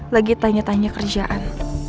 lagi tanya tanya kerjaan